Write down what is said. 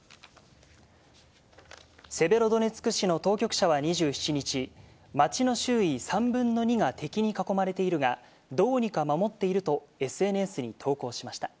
セベロドネツク市の当局者は２７日、街の周囲３分の２が敵に囲まれているが、どうにか守っているとＳＮＳに投稿しました。